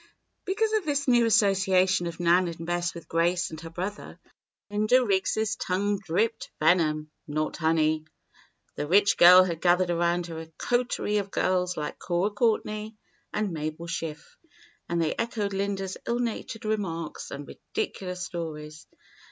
Because of this new association of Nan and Bess with Grace and her brother, Linda Riggs' tongue dripped venom, not honey. The rich girl had gathered around her a coterie of girls like Cora Courtney and Mabel Schiff, and they echoed Linda's ill natured remarks and ridiculous stories.